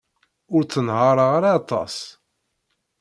Ur ttenhaṛeɣ ara aṭas.